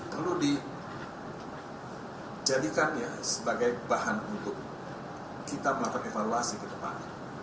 perlu dijadikannya sebagai bahan untuk kita melakukan evaluasi ke depan